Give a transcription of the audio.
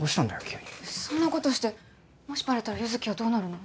急にそんなことしてもしバレたら優月はどうなるの？